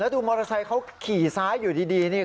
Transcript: ดูมอเตอร์ไซค์เขาขี่ซ้ายอยู่ดีนี่